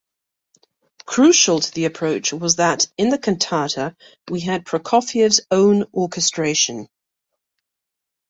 Crucial to the approach was that in the Cantata we had "Prokofiev's own orchestration".